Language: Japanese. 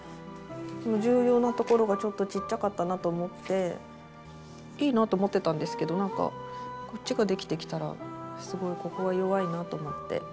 重要なところがちょっとちっちゃかったなと思っていいなと思ってたんですけどなんかこっちができてきたらすごいここが弱いなと思って。